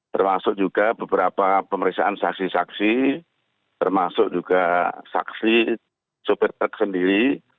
termasuk juga beberapa pemeriksaan saksi saksi termasuk juga saksi supir truk sendiri